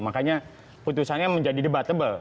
makanya putusannya menjadi debatable